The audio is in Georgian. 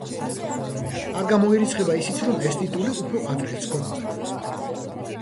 არ გამოირიცხება ისიც რომ ეს ტიტული უფრო ადრეც ჰქონოდათ.